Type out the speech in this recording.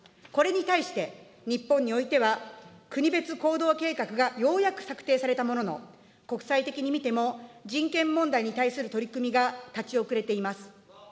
これに対して、日本においては、国別行動計画がようやく策定されたものの、国際的に見ても、人権問題に対する取り組みが立ち遅れています。